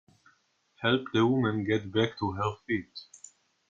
Help the woman get back to her feet.